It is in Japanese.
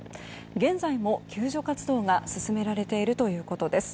現在も救助活動が進められているということです。